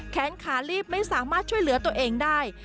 แขนขาลีบไม่สามารถช่วยเหลือตัวเองได้